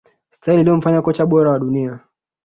Staili iliyomfanya kocha bora wa dunia